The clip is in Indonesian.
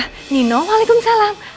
ah nino waalaikumsalam